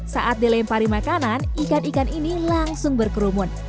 saat dilempari makanan ikan ikan ini langsung berkerumun